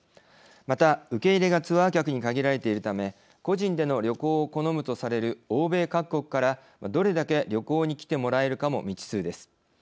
また、受け入れがツアー客に限られているため個人での旅行を好むとされる欧米各国からどれだけ旅行に来てもらえるかも未知数です。